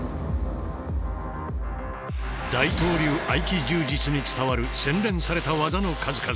大東流合気柔術に伝わる洗練された技の数々。